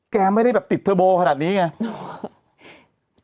แกไม่ได้แบบติดเทอร์โบขนาดนี้ไง